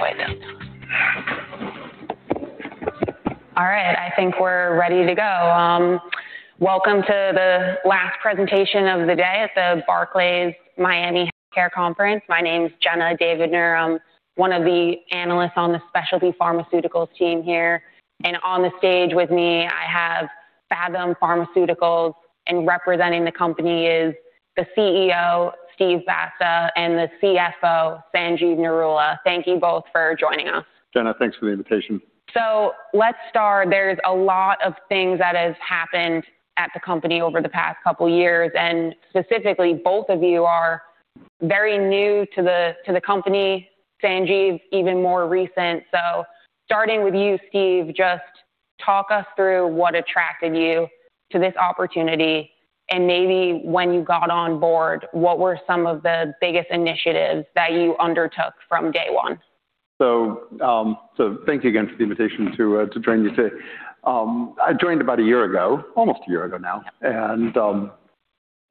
All right. I think we're ready to go. Welcome to the last presentation of the day at the Barclays Miami Healthcare Conference. My name is Jenna Davidoff. I'm one of the analysts on the specialty pharmaceuticals team here. On the stage with me, I have Phathom Pharmaceuticals. Representing the company is the CEO, Steven Basta, and the CFO, Sanjeev Narula. Thank you both for joining us. Jenna, thanks for the invitation. Let's start. There's a lot of things that has happened at the company over the past couple of years, and specifically, both of you are very new to the company. Sanjeev, even more recent. Starting with you, Steve, just talk us through what attracted you to this opportunity and maybe when you got on board, what were some of the biggest initiatives that you undertook from day one? Thank you again for the invitation to join you today. I joined about a year ago, almost a year ago now.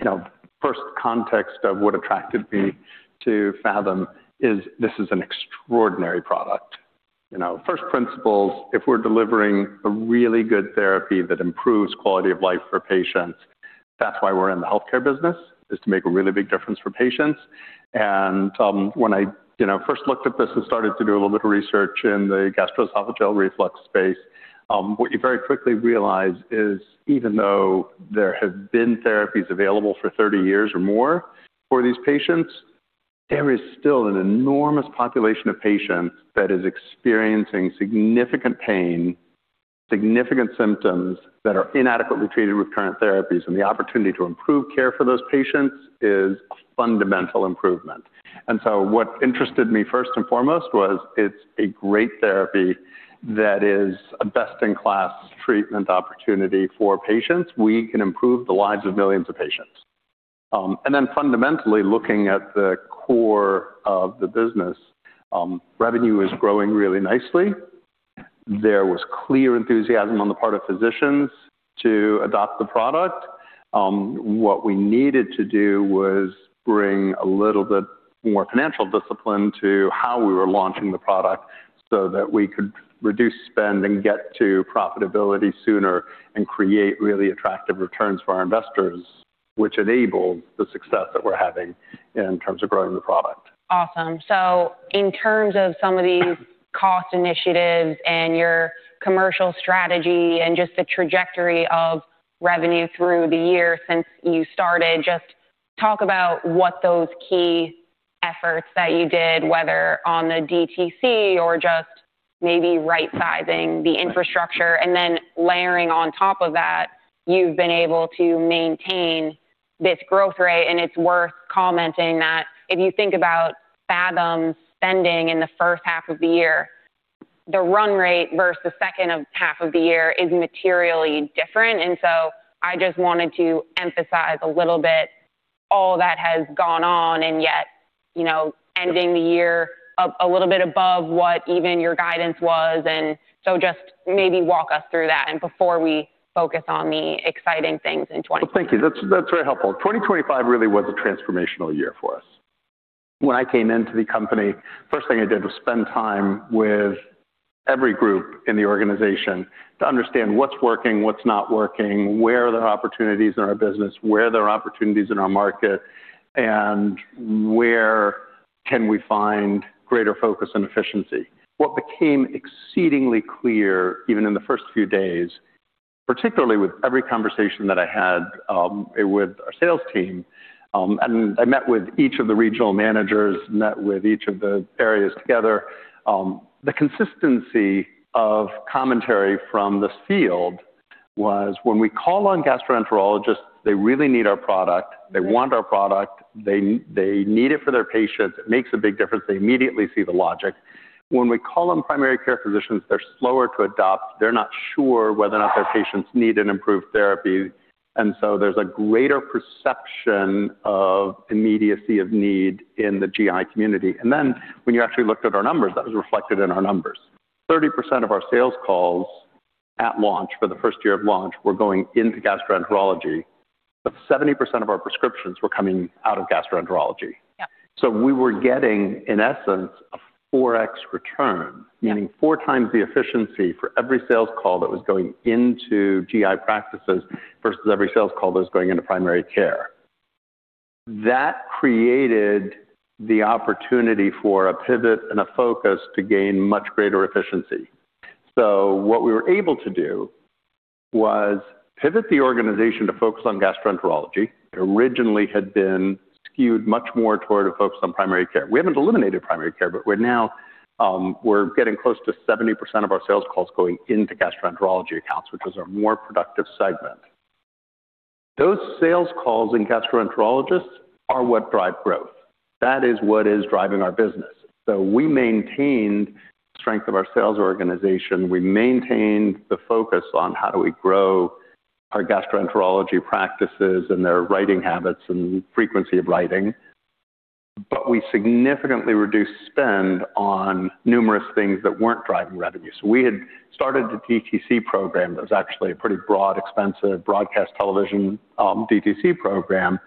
You know, first context of what attracted me to Phathom is this is an extraordinary product. You know, first principles, if we're delivering a really good therapy that improves quality of life for patients, that's why we're in the healthcare business, is to make a really big difference for patients. When I, you know, first looked at this and started to do a little bit of research in the gastroesophageal reflux space, what you very quickly realize is even though there have been therapies available for 30 years or more for these patients, there is still an enormous population of patients that is experiencing significant pain, significant symptoms that are inadequately treated with current therapies. The opportunity to improve care for those patients is a fundamental improvement. What interested me first and foremost was it's a great therapy that is a best-in-class treatment opportunity for patients. We can improve the lives of millions of patients. Fundamentally, looking at the core of the business, revenue is growing really nicely. There was clear enthusiasm on the part of physicians to adopt the product. What we needed to do was bring a little bit more financial discipline to how we were launching the product so that we could reduce spend and get to profitability sooner and create really attractive returns for our investors, which enabled the success that we're having in terms of growing the product. Awesome. In terms of some of these cost initiatives and your commercial strategy and just the trajectory of revenue through the year since you started, just talk about what those key efforts that you did, whether on the DTC or just maybe right-sizing the infrastructure and then layering on top of that, you've been able to maintain this growth rate, and it's worth commenting that if you think about Phathom's spending in the first half of the year, the run rate versus the second half of the year is materially different. I just wanted to emphasize a little bit all that has gone on and yet, you know, ending the year up a little bit above what even your guidance was. Just maybe walk us through that and before we focus on the exciting things in twenty- Thank you. That's very helpful. 2025 really was a transformational year for us. When I came into the company, first thing I did was spend time with every group in the organization to understand what's working, what's not working, where are there opportunities in our business, where there are opportunities in our market, and where can we find greater focus and efficiency. What became exceedingly clear, even in the first few days, particularly with every conversation that I had with our sales team, and I met with each of the regional managers, met with each of the areas together. The consistency of commentary from the field was when we call on gastroenterologists, they really need our product. They want our product. They need it for their patients. It makes a big difference. They immediately see the logic. When we call on primary care physicians, they're slower to adopt. They're not sure whether or not their patients need an improved therapy. There's a greater perception of immediacy of need in the GI community. When you actually looked at our numbers, that was reflected in our numbers. 30% of our sales calls at launch for the first year of launch were going into gastroenterology, but 70% of our prescriptions were coming out of gastroenterology. Yeah. We were getting, in essence, a 4x return, meaning 4x the efficiency for every sales call that was going into GI practices versus every sales call that was going into primary care. That created the opportunity for a pivot and a focus to gain much greater efficiency. What we were able to do was pivot the organization to focus on gastroenterology. It originally had been skewed much more toward a focus on primary care. We haven't eliminated primary care, but we're now getting close to 70% of our sales calls going into gastroenterology accounts, which is our more productive segment. Those sales calls and gastroenterologists are what drive growth. That is what is driving our business. We maintained strength of our sales organization. We maintained the focus on how do we grow our gastroenterology practices and their writing habits and frequency of writing. We significantly reduced spend on numerous things that weren't driving revenue. We had started the DTC program. It was actually a pretty broad, expensive broadcast television DTC program.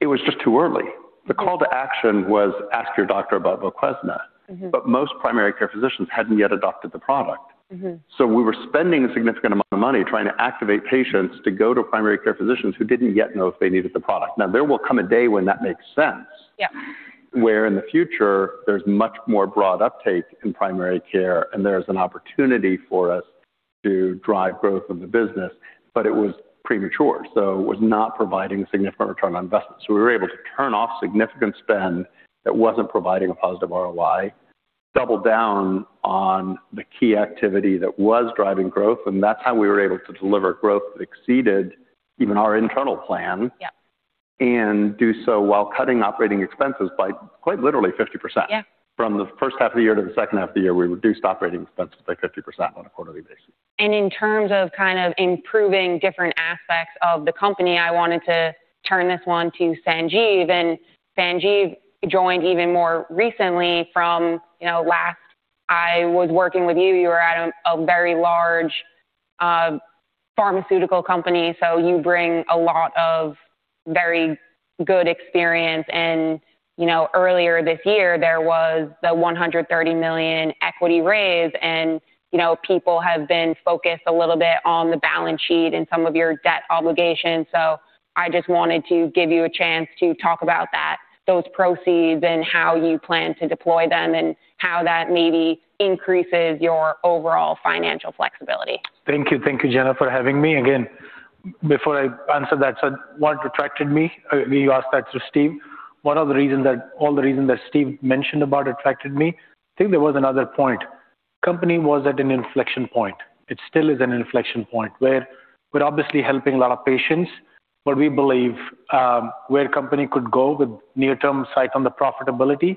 It was just too early. The call to action was, ask your doctor about VOQUEZNA. Mm-hmm. Most primary care physicians hadn't yet adopted the product. Mm-hmm. We were spending a significant amount of money trying to activate patients to go to primary care physicians who didn't yet know if they needed the product. Now, there will come a day when that makes sense. Yeah. We're in the future, there's much more broad uptake in primary care, and there's an opportunity for us to drive growth of the business. It was premature, so it was not providing significant return on investment. We were able to turn off significant spend that wasn't providing a positive ROI, double down on the key activity that was driving growth, and that's how we were able to deliver growth that exceeded even our internal plan. Yeah. Do so while cutting operating expenses by quite literally 50%. Yeah. From the first half of the year to the second half of the year, we reduced operating expenses by 50% on a quarterly basis. In terms of kind of improving different aspects of the company, I wanted to turn this one to Sanjeev. Sanjeev joined even more recently from, you know, last I was working with you were at a very large pharmaceutical company, so you bring a lot of very good experience. You know, earlier this year there was the $130 million equity raise and, you know, people have been focused a little bit on the balance sheet and some of your debt obligations. I just wanted to give you a chance to talk about that, those proceeds and how you plan to deploy them and how that maybe increases your overall financial flexibility. Thank you. Thank you, Jenna, for having me. Again, before I answer that, so what attracted me, you asked that to Steve. All the reasons that Steve mentioned about what attracted me. I think there was another point. The company was at an inflection point. It still is an inflection point where we're obviously helping a lot of patients, but we believe where the company could go with near-term line of sight to profitability,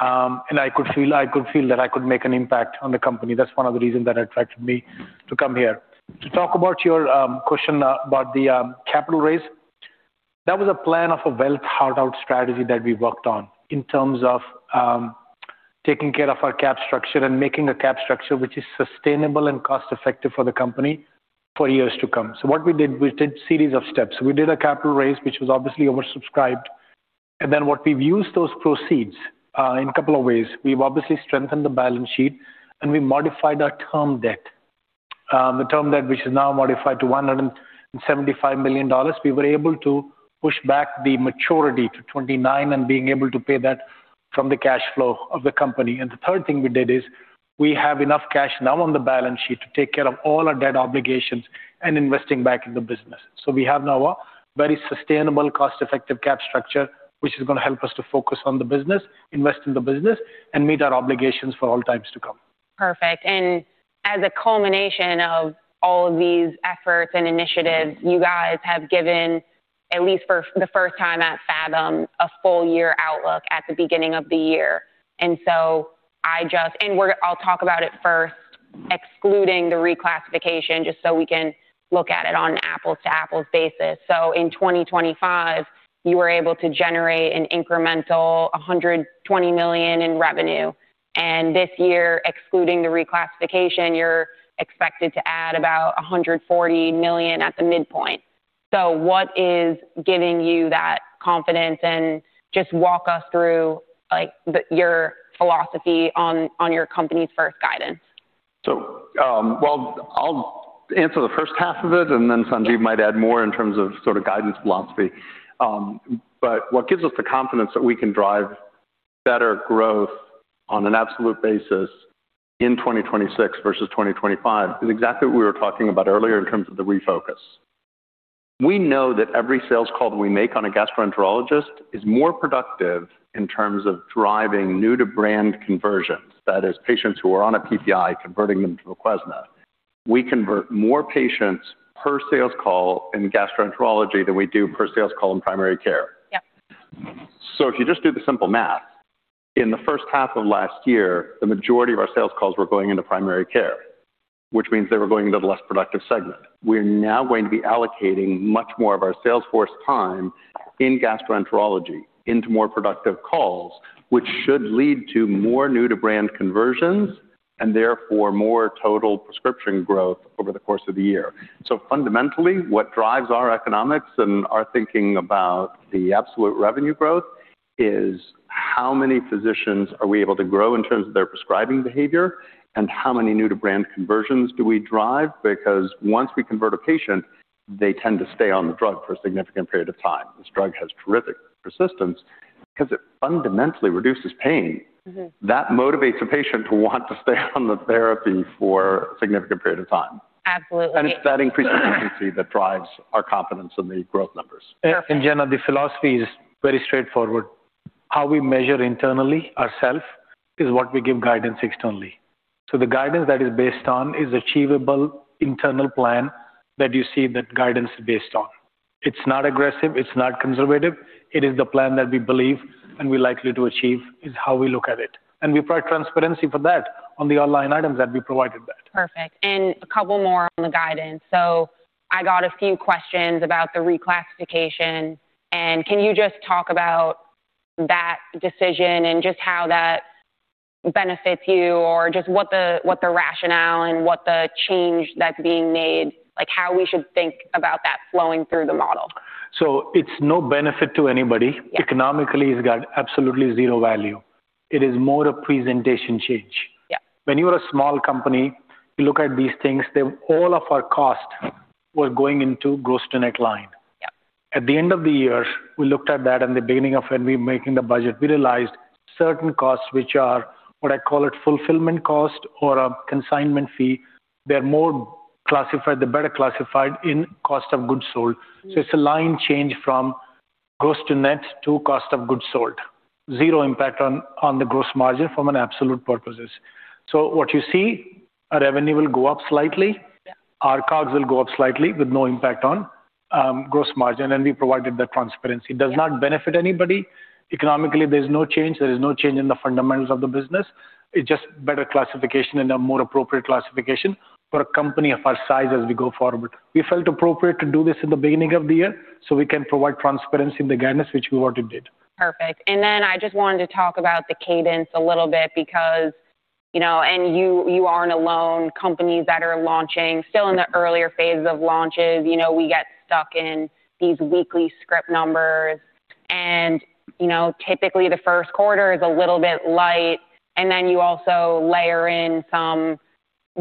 and I could feel that I could make an impact on the company. That's one of the reasons that attracted me to come here. To talk about your question about the capital raise. That was a plan of a well-thought-out strategy that we worked on in terms of taking care of our capital structure and making a capital structure which is sustainable and cost-effective for the company for years to come. What we did, we did series of steps. We did a capital raise, which was obviously oversubscribed. What we've used those proceeds in a couple of ways. We've obviously strengthened the balance sheet, and we modified our term debt. The term debt which is now modified to $175 million, we were able to push back the maturity to 2029 and being able to pay that from the cash flow of the company. The third thing we did is we have enough cash now on the balance sheet to take care of all our debt obligations and investing back in the business. We have now a very sustainable, cost-effective cap structure, which is gonna help us to focus on the business, invest in the business, and meet our obligations for all times to come. Perfect. As a culmination of all of these efforts and initiatives, you guys have given, at least for the first time at Phathom, a full year outlook at the beginning of the year. I'll talk about it first, excluding the reclassification, just so we can look at it on an apples-to-apples basis. In 2025, you were able to generate an incremental $120 million in revenue. This year, excluding the reclassification, you're expected to add about $140 million at the midpoint. What is giving you that confidence? Just walk us through, like, your philosophy on your company's first guidance. Well, I'll answer the first half of it, and then Sanjeev might add more in terms of sort of guidance philosophy. What gives us the confidence that we can drive better growth on an absolute basis in 2026 versus 2025 is exactly what we were talking about earlier in terms of the refocus. We know that every sales call that we make on a gastroenterologist is more productive in terms of driving new-to-brand conversions. That is, patients who are on a PPI, converting them to VOQUEZNA. We convert more patients per sales call in gastroenterology than we do per sales call in primary care. Yeah. If you just do the simple math, in the first half of last year, the majority of our sales calls were going into primary care, which means they were going into the less productive segment. We're now going to be allocating much more of our sales force time in gastroenterology into more productive calls, which should lead to more new-to-brand conversions and therefore more total prescription growth over the course of the year. Fundamentally, what drives our economics and our thinking about the absolute revenue growth is how many physicians are we able to grow in terms of their prescribing behavior and how many new-to-brand conversions do we drive? Because once we convert a patient, they tend to stay on the drug for a significant period of time. This drug has terrific persistence 'cause it fundamentally reduces pain. Mm-hmm. That motivates a patient to want to stay on the therapy for a significant period of time. Absolutely. It's that increased efficiency that drives our confidence in the growth numbers. Jenna, the philosophy is very straightforward. How we measure internally ourself is what we give guidance externally. The guidance that is based on is achievable internal plan that you see that guidance is based on. It's not aggressive, it's not conservative. It is the plan that we believe and we're likely to achieve is how we look at it. We pride transparency for that on the online items that we provided that. Perfect. A couple more on the guidance. I got a few questions about the reclassification. Can you just talk about that decision and just how that benefits you or just what the rationale and what the change that's being made, like how we should think about that flowing through the model. It's no benefit to anybody. Yeah. Economically, it's got absolutely zero value. It is more a presentation change. Yeah. When you are a small company, you look at these things, all of our costs were going into gross to net line. Yeah. At the end of the year, we looked at that in the beginning of when we're making the budget, we realized certain costs, which are what I call it, fulfillment cost or a consignment fee. They're better classified in cost of goods sold. Mm-hmm. It's a line change from gross to net to cost of goods sold. Zero impact on the gross margin from an absolute perspective. What you see, our revenue will go up slightly. Yeah. Our COGS will go up slightly with no impact on gross margin, and we provided the transparency. Yeah. Does not benefit anybody. Economically, there's no change. There is no change in the fundamentals of the business. It's just better classification and a more appropriate classification for a company of our size as we go forward. We felt appropriate to do this in the beginning of the year, so we can provide transparency and the guidance which we already did. Perfect. Then I just wanted to talk about the cadence a little bit because, you know, you aren't alone. Companies that are launching, still in the earlier phases of launches, you know, we get stuck in these weekly script numbers. You know, typically the first quarter is a little bit light, and then you also layer in some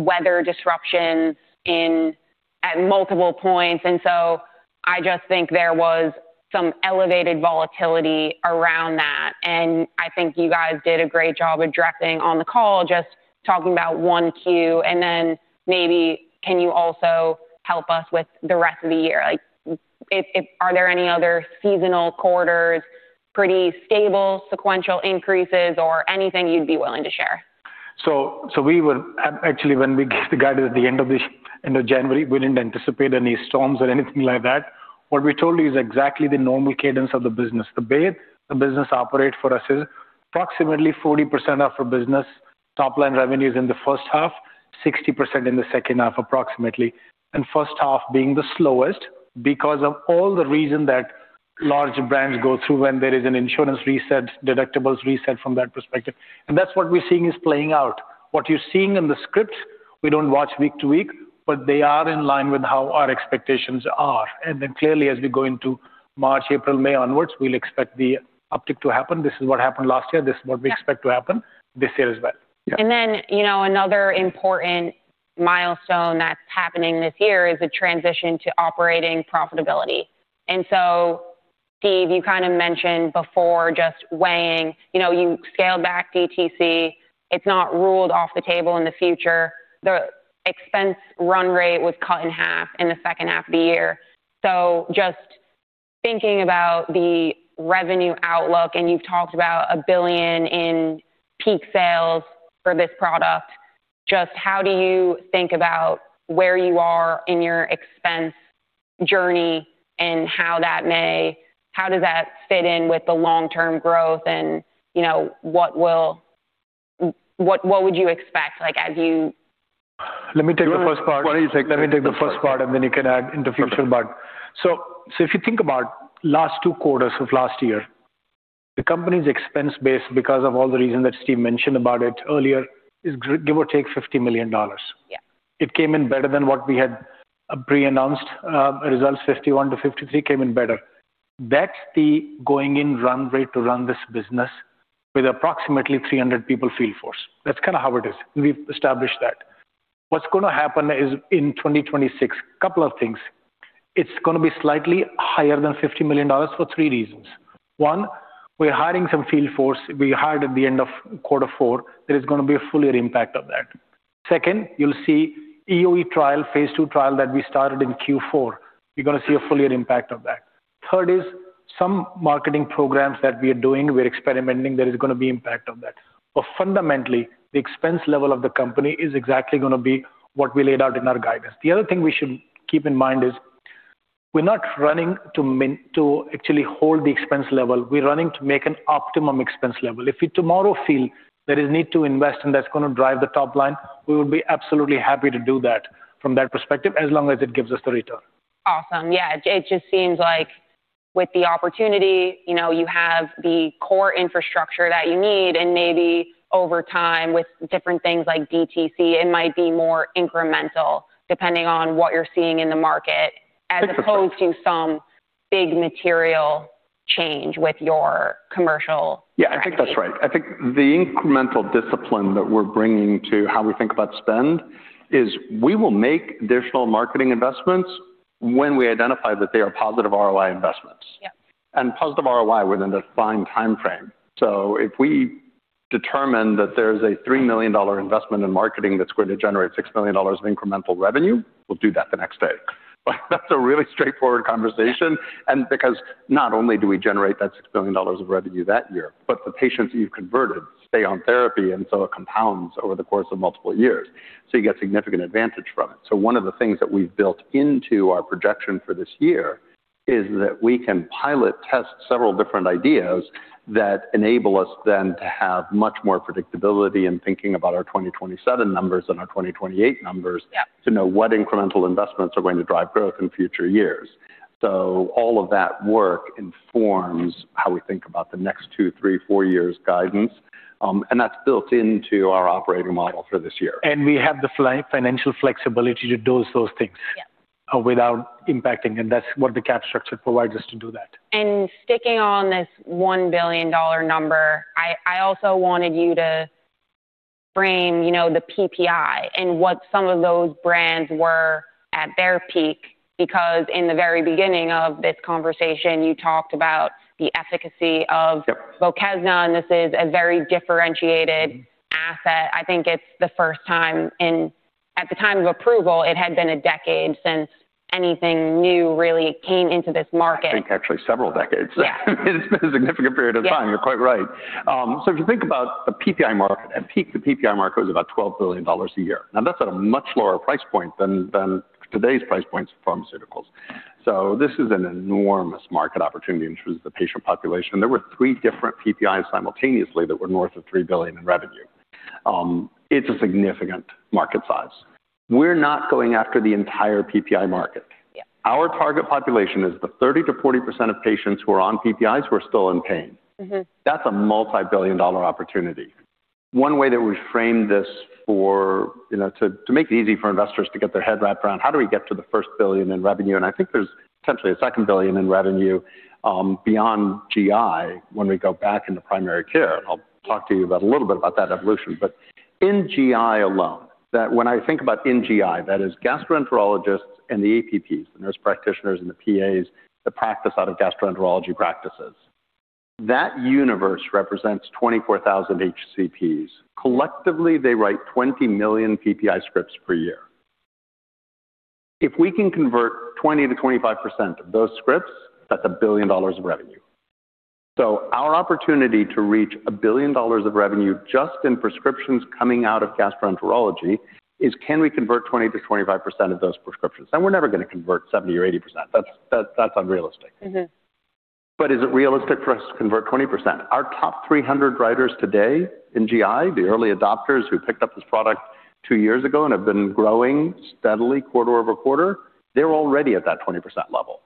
weather disruptions at multiple points. So I just think there was some elevated volatility around that. I think you guys did a great job addressing on the call, just talking about one Q. Then maybe can you also help us with the rest of the year? Like if are there any other seasonal quarters, pretty stable sequential increases or anything you'd be willing to share? Actually, when we gave the guidance at the end of January, we didn't anticipate any storms or anything like that. What we told you is exactly the normal cadence of the business. The way the business operates for us is approximately 40% of our business top line revenue is in the first half, 60% in the second half, approximately. First half being the slowest because of all the reasons that large brands go through when there is an insurance reset, deductibles reset from that perspective. That's what we're seeing is playing out. What you're seeing in the scripts, we don't watch week to week, but they are in line with how our expectations are. Then clearly, as we go into March, April, May onward, we'll expect the uptick to happen. This is what happened last year. This is what we expect to happen this year as well. Yeah. You know, another important milestone that's happening this year is the transition to operating profitability. Steve, you kind of mentioned before just weighing, you know, you scaled back DTC. It's not ruled off the table in the future. The expense run rate was cut in half in the second half of the year. Just thinking about the revenue outlook, and you've talked about $1 billion in peak sales for this product, just how do you think about where you are in your expense journey and how does that fit in with the long-term growth and, you know, what would you expect, like, as you- Let me take the first part. Why don't you take the first part? Let me take the first part, and then you can add into future part. If you think about last two quarters of last year, the company's expense base, because of all the reasons that Steve mentioned about it earlier, is give or take $50 million. Yeah. It came in better than what we had pre-announced, results 51-53 came in better. That's the going in run rate to run this business with approximately 300 people field force. That's kinda how it is. We've established that. What's gonna happen is in 2026, couple of things. It's gonna be slightly higher than $50 million for three reasons. One, we're hiring some field force. We hired at the end of quarter four. There is gonna be a full year impact of that. Second, you'll see EoE trial, phase 2 trial that we started in Q4. You're gonna see a full year impact of that. Third is some marketing programs that we are doing, we're experimenting, there is gonna be impact of that. But fundamentally, the expense level of the company is exactly gonna be what we laid out in our guidance. The other thing we should keep in mind is we're not running to actually hold the expense level. We're running to make an optimum expense level. If we tomorrow feel there is need to invest, and that's gonna drive the top line, we will be absolutely happy to do that from that perspective, as long as it gives us the return. Awesome. Yeah. It just seems like with the opportunity, you know, you have the core infrastructure that you need, and maybe over time, with different things like DTC, it might be more incremental depending on what you're seeing in the market, as opposed to some big material change with your commercial strategy. Yeah, I think that's right. I think the incremental discipline that we're bringing to how we think about spend is we will make additional marketing investments when we identify that they are positive ROI investments. Yeah. Positive ROI within a defined timeframe. If we determine that there's a $3 million investment in marketing that's going to generate $6 million of incremental revenue, we'll do that the next day. That's a really straightforward conversation. Because not only do we generate that $6 million of revenue that year, but the patients that you've converted stay on therapy, and so it compounds over the course of multiple years. You get significant advantage from it. One of the things that we've built into our projection for this year is that we can pilot test several different ideas that enable us then to have much more predictability in thinking about our 2027 numbers and our 2028 numbers. Yeah To know what incremental investments are going to drive growth in future years. All of that work informs how we think about the next two, three, four years guidance, and that's built into our operating model for this year. We have the financial flexibility to dose those things. Yeah. Without impacting, and that's what the cap structure provides us to do that. Sticking on this $1 billion number, I also wanted you to frame, you know, the PPI and what some of those brands were at their peak because in the very beginning of this conversation you talked about the efficacy of. Yep. VOQUEZNA, and this is a very differentiated asset. At the time of approval, it had been a decade since anything new really came into this market. I think actually several decades. Yeah. It's been a significant period of time. Yeah. You're quite right. If you think about the PPI market, at peak, the PPI market was about $12 billion a year. Now, that's at a much lower price point than today's price points in pharmaceuticals. This is an enormous market opportunity in terms of the patient population. There were 3 different PPIs simultaneously that were north of $3 billion in revenue. It's a significant market size. We're not going after the entire PPI market. Yeah. Our target population is the 30%-40% of patients who are on PPIs who are still in pain. Mm-hmm. That's a multi-billion dollar opportunity. One way that we frame this for, you know, to make it easy for investors to get their head wrapped around, how do we get to the first $1 billion in revenue? I think there's potentially a second $1 billion in revenue beyond GI when we go back into primary care. I'll talk to you about a little bit about that evolution. In GI alone, when I think about in GI, that is gastroenterologists and the APPs, the nurse practitioners and the PAs that practice out of gastroenterology practices. That universe represents 24,000 HCPs. Collectively, they write 20 million PPI scripts per year. If we can convert 20%-25% of those scripts, that's $1 billion of revenue. Our opportunity to reach $1 billion of revenue just in prescriptions coming out of gastroenterology is can we convert 20%-25% of those prescriptions? We're never gonna convert 70% or 80%. That's unrealistic. Mm-hmm. Is it realistic for us to convert 20%? Our top 300 writers today in GI, the early adopters who picked up this product two years ago and have been growing steadily quarter-over-quarter, they're already at that 20% level.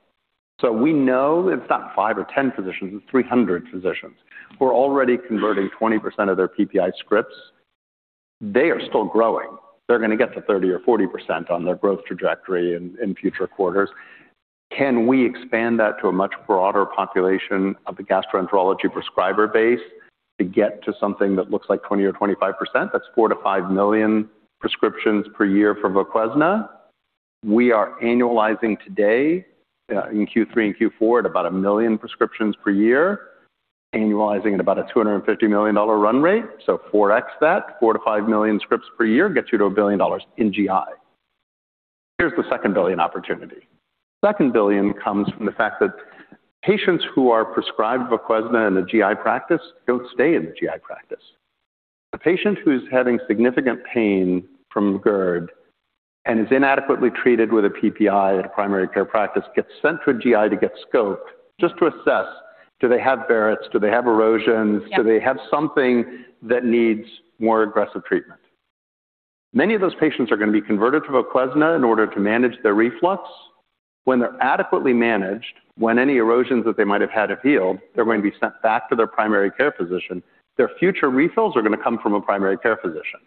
We know it's not five physicians or 10 physicians, it's 300 physicians who are already converting 20% of their PPI scripts. They are still growing. They're gonna get to 30% or 40% on their growth trajectory in future quarters. Can we expand that to a much broader population of the gastroenterology prescriber base to get to something that looks like 20% or 25%? That's 4-5 million prescriptions per year for VOQUEZNA. We are annualizing today in Q3 and Q4 at about 1 million prescriptions per year, annualizing at about a $250 million run rate. 4x that, 4-5 million scripts per year gets you to $1 billion in GI. Here's the second billion opportunity. Second billion comes from the fact that patients who are prescribed VOQUEZNA in the GI practice don't stay in the GI practice. A patient who's having significant pain from GERD and is inadequately treated with a PPI at a primary care practice gets sent to a GI to get scoped just to assess, do they have Barrett's? Do they have erosions? Yeah. Do they have something that needs more aggressive treatment? Many of those patients are gonna be converted to VOQUEZNA in order to manage their reflux. When they're adequately managed, when any erosions that they might have had have healed, they're going to be sent back to their primary care physician. Their future refills are gonna come from a primary care physician.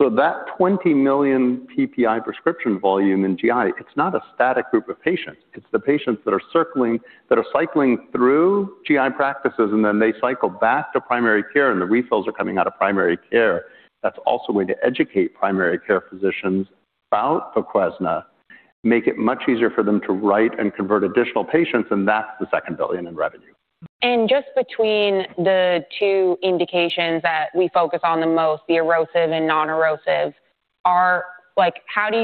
That 20 million PPI prescription volume in GI, it's not a static group of patients. It's the patients that are cycling through GI practices, and then they cycle back to primary care, and the refills are coming out of primary care. That's also a way to educate primary care physicians about VOQUEZNA, make it much easier for them to write and convert additional patients, and that's the second $1 billion in revenue. Just between the two indications that we focus on the most, the erosive and non-erosive. Like, how do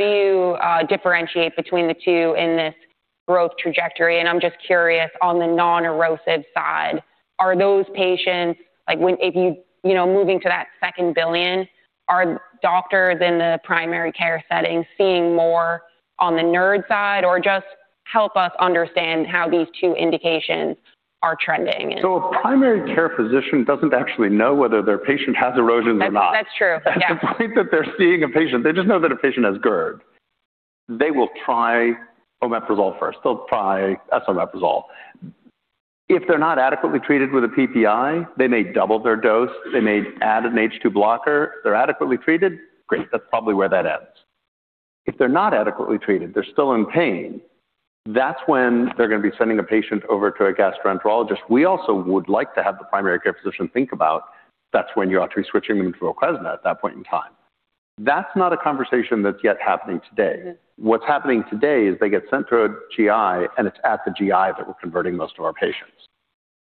you differentiate between the two in this growth trajectory? I'm just curious on the non-erosive side, are those patients, like if you know, moving to that $2 billion, are doctors in the primary care setting seeing more on the NERD side? Or just help us understand how these two indications are trending. A primary care physician doesn't actually know whether their patient has erosions or not. That's true. Yeah. At the point that they're seeing a patient, they just know that a patient has GERD. They will try omeprazole first. They'll try esomeprazole. If they're not adequately treated with a PPI, they may double their dose. They may add an H2 blocker. If they're adequately treated, great. That's probably where that ends. If they're not adequately treated, they're still in pain, that's when they're gonna be sending the patient over to a gastroenterologist. We also would like to have the primary care physician think about that's when you ought to be switching them to VOQUEZNA at that point in time. That's not a conversation that's yet happening today. Mm-hmm. What's happening today is they get sent to a GI, and it's at the GI that we're converting most of our patients.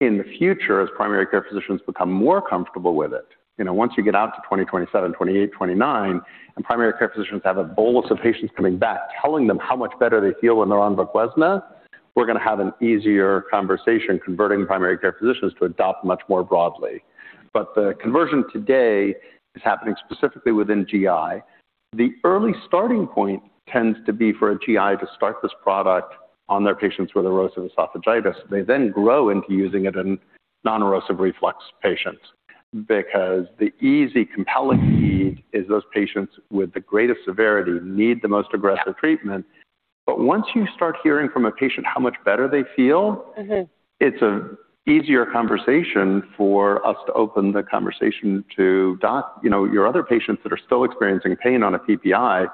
In the future, as primary care physicians become more comfortable with it, you know, once you get out to 2027, 2028, 2029, and primary care physicians have a bolus of patients coming back telling them how much better they feel when they're on VOQUEZNA, we're gonna have an easier conversation converting primary care physicians to adopt much more broadly. The conversion today is happening specifically within GI. The early starting point tends to be for a GI to start this product on their patients with erosive esophagitis. They then grow into using it in non-erosive reflux patients. Because the easy compelling need is those patients with the greatest severity need the most aggressive treatment. Once you start hearing from a patient how much better they feel. Mm-hmm. It's an easier conversation for us to open the conversation to docs. You know, your other patients that are still experiencing pain on a PPI,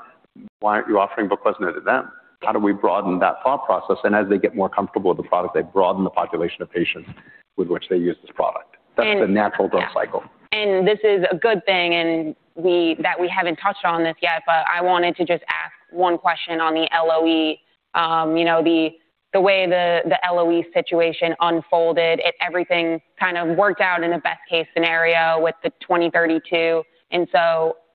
why aren't you offering VOQUEZNA to them? How do we broaden that thought process? As they get more comfortable with the product, they broaden the population of patients with which they use this product. And- That's the natural growth cycle. This is a good thing, that we haven't touched on this yet, but I wanted to just ask one question on the LOE. You know, the way the LOE situation unfolded, everything kind of worked out in a best-case scenario with the 2032.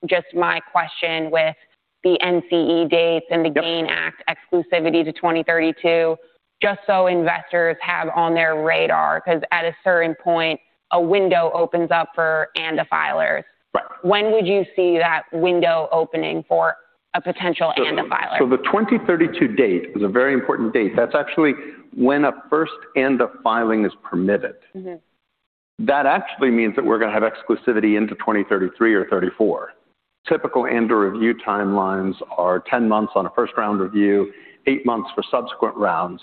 Just my question with the NCE dates and the- Yep. GAIN Act exclusivity to 2032, just so investors have on their radar, 'cause at a certain point, a window opens up for ANDA filers. Right. When would you see that window opening for a potential ANDA filer? The 2032 date is a very important date. That's actually when a first ANDA filing is permitted. Mm-hmm. That actually means that we're gonna have exclusivity into 2033 or 2034. Typical ANDA review timelines are 10 months on a first-round review, eight months for subsequent rounds.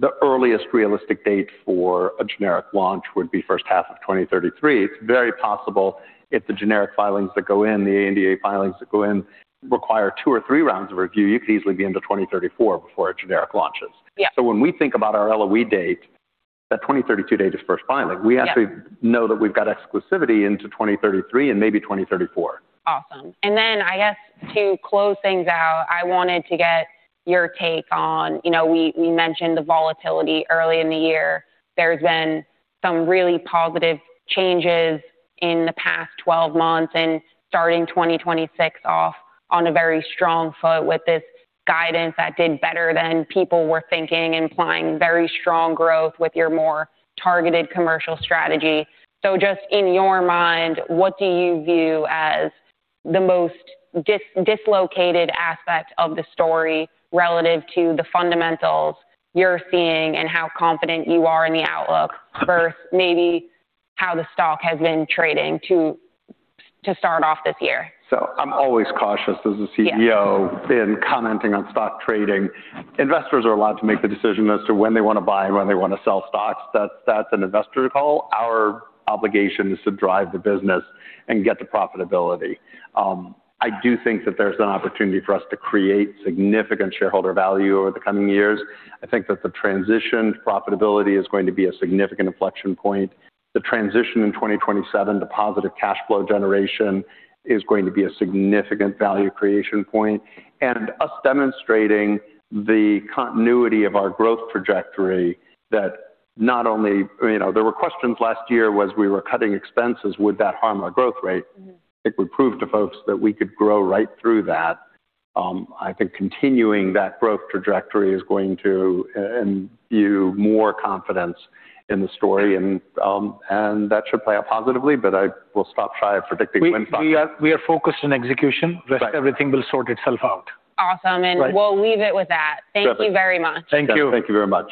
The earliest realistic date for a generic launch would be first half of 2033. It's very possible if the generic filings that go in, the ANDA filings that go in require two arounds or three rounds of review. You could easily be into 2034 before a generic launches. Yeah. When we think about our LOE date, that 2032 date is first filing. Yeah. We actually know that we've got exclusivity into 2033 and maybe 2034. Awesome. Then I guess to close things out, I wanted to get your take on, you know, we mentioned the volatility early in the year. There's been some really positive changes in the past twelve months and starting 2026 off on a very strong foot with this guidance that did better than people were thinking, implying very strong growth with your more targeted commercial strategy. Just in your mind, what do you view as the most dislocated aspect of the story relative to the fundamentals you're seeing and how confident you are in the outlook versus maybe how the stock has been trading to start off this year? I'm always cautious as a CEO. Yeah. In commenting on stock trading. Investors are allowed to make the decision as to when they wanna buy and when they wanna sell stocks. That's an investor call. Our obligation is to drive the business and get to profitability. I do think that there's an opportunity for us to create significant shareholder value over the coming years. I think that the transition to profitability is going to be a significant inflection point. The transition in 2027 to positive cash flow generation is going to be a significant value creation point. Us demonstrating the continuity of our growth trajectory that not only you know, there were questions last year was we were cutting expenses, would that harm our growth rate? Mm-hmm. I think we proved to folks that we could grow right through that. I think continuing that growth trajectory is going to imbue more confidence in the story and that should play out positively, but I will stop shy of predicting when stocks. We are focused on execution. Right. Rest everything will sort itself out. Awesome. Right. We'll leave it with that. Terrific. Thank you very much. Thank you. Thank you very much.